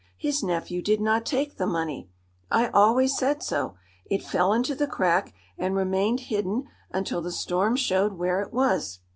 His nephew did not take the money. I always said so. It fell into the crack, and remained hidden until the storm showed where it was."